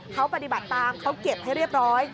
เขาปฏิบัติตามเขาเก็บให้เรียบร้อย